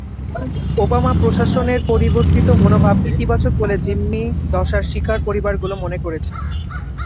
Obama প্রশাসনের পরিবর্তিত মনোভাব ইতিবাচক বলে জিম্মি দশার শিকার পরিবারগুলো মনে করছে।